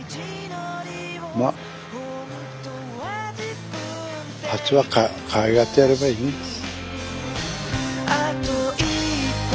まあ蜂はかわいがってやればいいんです。